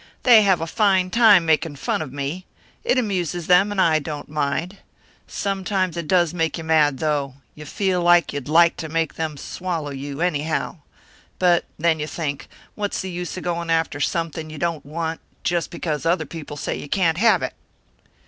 "They have a fine time making fun of me it amuses them, and I don't mind. Sometimes it does make you mad, though; you feel you'd like to make them swallow you, anyway. But then you think, What's the use of going after something you don't want, just because other people say you can't have it?"